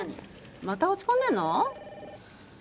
また落ち込んでんの？